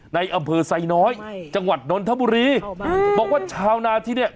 ในอำเภอไซน้อยจังหวัดนนทบุรีบอกว่าชาวนาที่เนี่ย